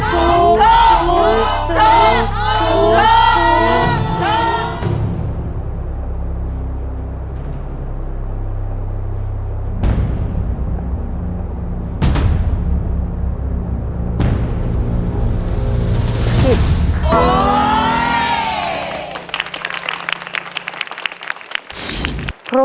ถูก